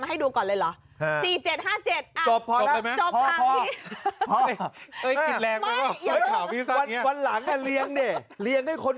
มันเป็นรูแล้วก็ยางแบนได้บ้าง